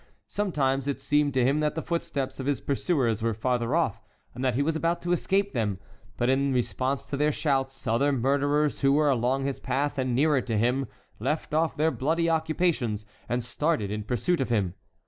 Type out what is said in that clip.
Sometimes it seemed to him that the footsteps of his pursuers were farther off and that he was about to escape them; but in response to their shouts, other murderers who were along his path and nearer to him left off their bloody occupations and started in pursuit of him.